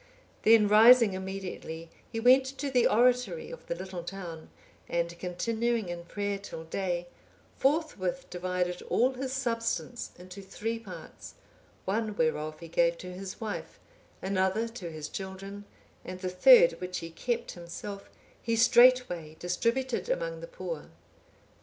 Then rising immediately, he went to the oratory of the little town, and continuing in prayer till day, forthwith divided all his substance into three parts; one whereof he gave to his wife, another to his children, and the third, which he kept himself, he straightway distributed among the poor.